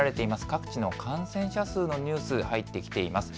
各地の感染者数のニュースが入ってきています。